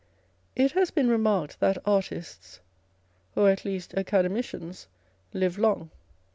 It has been remarked that artists, or at least Acade micians, live long.